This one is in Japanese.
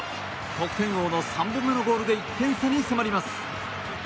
得点王の３本目のゴールで１点差に迫ります。